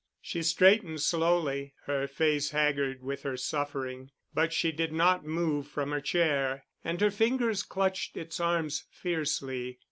She straightened slowly, her face haggard with her suffering, but she did not move from her chair and her fingers clutched its arms fiercely.